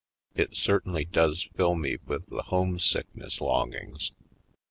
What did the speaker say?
It certainly does fill me with the homesick ness longings